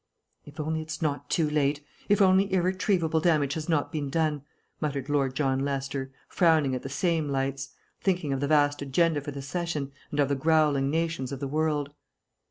"If only it's not too late if only irretrievable damage has not been done," muttered Lord John Lester, frowning at the same lights, thinking of the vast agenda for the session, and of the growling nations of the world.